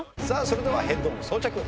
さあそれではヘッドホン装着。